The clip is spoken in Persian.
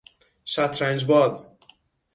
شطرنج باز